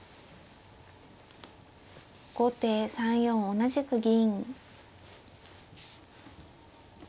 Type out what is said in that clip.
後手３四同じく銀。